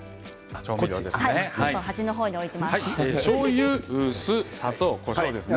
しょうゆ、酢、砂糖こしょうですね。